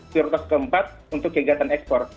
prioritas keempat untuk kegiatan ekspor